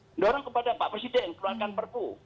mendorong kepada pak presiden keluarkan perpu